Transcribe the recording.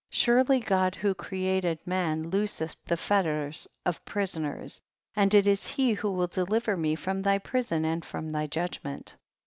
surely God who created man looseth the fetters of prisoners, and it is he who will deliver me from thy prison and from thy judgment.